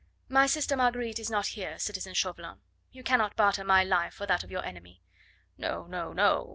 "My sister Marguerite is not here, citizen Chauvelin. You cannot barter my life for that of your enemy." "No! no! no!"